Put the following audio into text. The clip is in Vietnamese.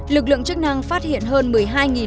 lực lượng chức năng phát hiện hơn một mươi hai